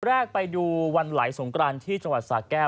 แรกไปดูวันไหลสงกรานที่จังหวัดสาแก้ว